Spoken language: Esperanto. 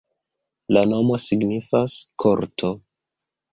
La nomo signifas: korto.